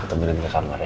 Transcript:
aku temenin di kamar ya